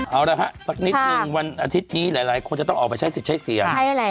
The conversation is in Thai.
เอาละฮะสักนิดนึงวันอาทิตย์นี้หลายคนจะต้องออกไปใช้สิทธิ์ใช้เสียง